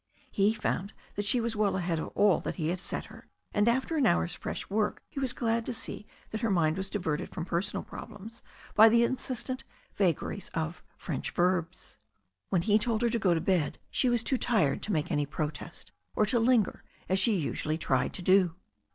He found that she was well ahead of all that he had set her, and after an hour's fresh work he was glad to see that her mind was diverted from personal problems by the insistent vagaries of French verbs. When he told her to go to bed she was too tired to make any protest, or to linger as she usually tried to do.